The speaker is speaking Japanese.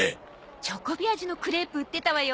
チョコビ味のクレープ売ってたわよ。